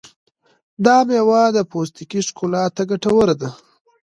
دا مېوه د پوستکي ښکلا ته ګټوره ده.